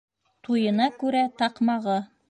Туйына күрә таҡмағы.